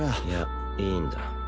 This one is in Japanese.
いやいいんだ